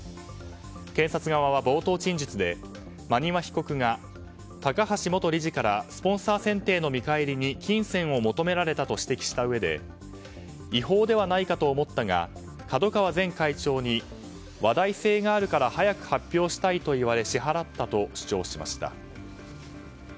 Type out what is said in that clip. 検察側は冒頭陳述で、馬庭被告が高橋元理事からスポンサー選定の見返りに金銭を求められたと指摘したうえで違法ではないかと思ったが角川前会長に話題性があるから早く発表したいと言われ支払ったと主張しました。